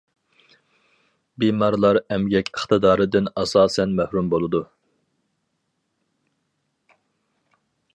بىمارلار ئەمگەك ئىقتىدارىدىن ئاساسەن مەھرۇم بولىدۇ.